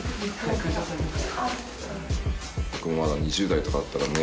これまだ２０代とかだったらね